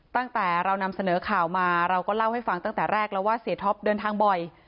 ตั้งแต่เรานำเสนอข่าวมาเราก็เล่าให้ฟังตั้งแต่แรกแล้วว่าเสียท็อปเดินทางบ่อย